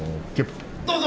・どうぞ！